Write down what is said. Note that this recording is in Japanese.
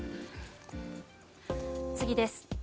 次です。